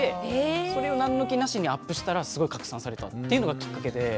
それを何の気なしにアップしたらすごい拡散されたっていうのがきっかけで。